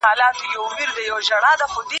پکښي ګرځېدې لښکري د آسونو